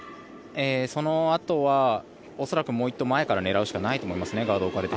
そのあとは恐らくもう１投前から狙うしかないと思いますね。